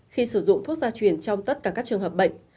khi sử dụng thuốc gia truyền trong tất cả các trường hợp bệnh